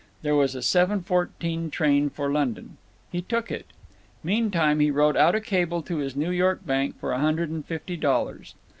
There was a seven fourteen train for London. He took it. Meantime he wrote out a cable to his New York bank for a hundred and fifty dollars.